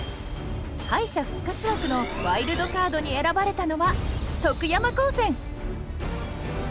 敗者復活枠の「ワイルドカード」に選ばれたのは徳山高専！